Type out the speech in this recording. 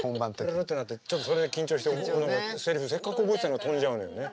プルルってなってちょっとそれで緊張して何かセリフせっかく覚えてたのが飛んじゃうのよね。